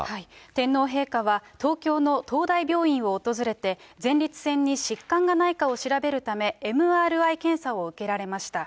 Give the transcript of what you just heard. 天皇陛下は、東京の東大病院を訪れて、前立腺に疾患がないかを調べるため、ＭＲＩ検査を受けられました。